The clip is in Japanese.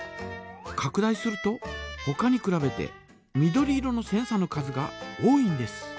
かく大するとほかにくらべて緑色のセンサの数が多いんです。